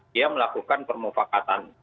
dia melakukan permufakatan